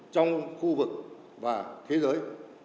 trong khu vực và thế giới